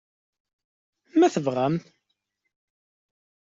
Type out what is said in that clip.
Ma tebɣam?